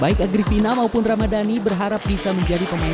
baik agri fina maupun ramadhani berharap bisa menjadi pemain bulu tangkis profesional